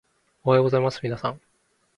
おはようございますみなさん